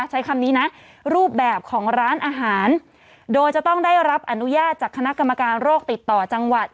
ใช้คำนี้นะรูปแบบของร้านอาหารโดยจะต้องได้รับอนุญาตจากคณะกรรมการโรคติดต่อจังหวัด